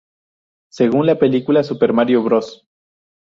Según la película Super Mario Bros.